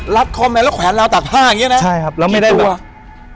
รัดคอแมวและแขวนแล้วตากผ้าอย่างนี้นะ